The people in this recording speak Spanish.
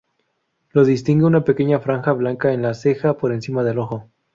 Lo distingue una pequeña franja blanca en la ceja por encima del ojo.